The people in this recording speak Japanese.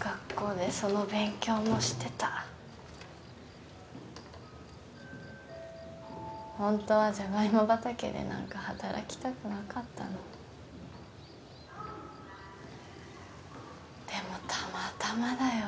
学校でその勉強もしてたホントはじゃがいも畑でなんか働きたくなかったのでもたまたまだよ